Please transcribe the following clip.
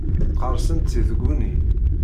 Qqerṣent si tguni.